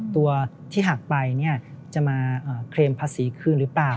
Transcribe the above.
ตัวที่หักไปจะมาเคลมภาษีคืนหรือเปล่า